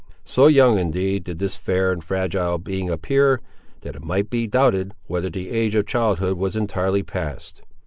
So young, indeed, did this fair and fragile being appear, that it might be doubted whether the age of childhood was entirely passed.